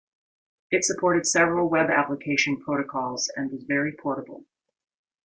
It supported several web application protocols and was very portable.